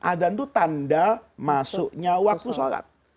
adhan itu tanda masuknya waktu sholat